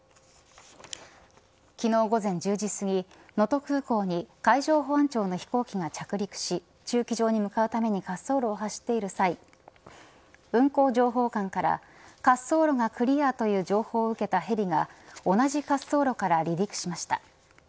昨日、午前１０時すぎ能登空港に海上保安庁の飛行機が着陸し駐機場に向かうために滑走路を走っている際運航情報官から滑走路がクリアーとの情報を受けたヘリが同じ滑走路から離陸しました。